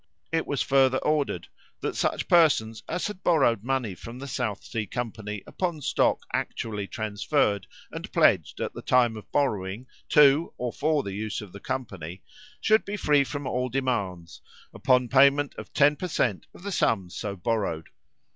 It was further ordered, that such persons as had borrowed money from the South Sea company upon stock actually transferred and pledged at the time of borrowing to or for the use of the company, should be free from all demands, upon payment of ten per cent of the sums so borrowed.